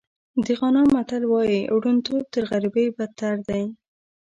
د غانا متل وایي ړوندتوب تر غریبۍ بدتر دی.